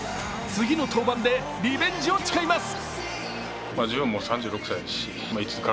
次の登板でリベンジを誓います。